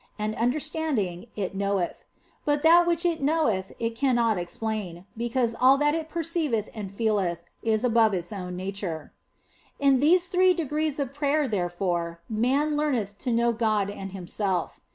And understanding, it knoweth ; but that which it knoweth it cannot explain, because all that it perceiveth and feeleth is above its own nature. In these three degrees of prayer, therefore, man learneth to know God and himself.